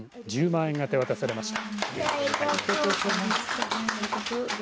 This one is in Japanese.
１０万円が手渡されました。